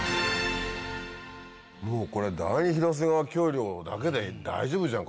もうこれ第二広瀬川橋梁だけで大丈夫じゃん